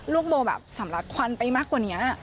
ลูกโบสำรับควันไปมากกว่านี้